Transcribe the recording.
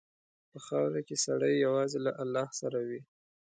په خاوره کې سړی یوازې له الله سره وي.